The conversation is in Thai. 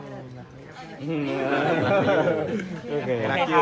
ยังรักเขาอยู่